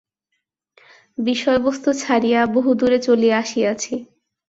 বিষয়বস্তু ছাড়িয়া বহুদূরে চলিয়া আসিয়াছি।